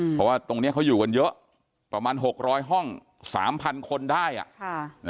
เพราะว่าตรงเนี้ยเขาอยู่กันเยอะประมาณหกร้อยห้องสามพันคนได้อ่ะค่ะ